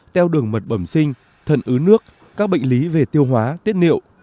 teo đường mật bẩm sinh thân ứ nước các bệnh lý về tiêu hóa tiết niệu